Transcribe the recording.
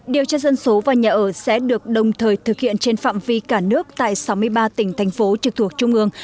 điều tra dân số và nhà ở sẽ được đồng thời thực hiện trên phạm vi cả nước tại sáu mươi ba tỉnh thành phố trực thuộc trung ương